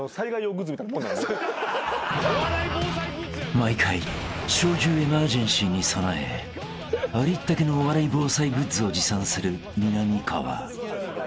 ［毎回笑獣エマージェンシーに備えありったけのお笑い防災グッズを持参するみなみかわ］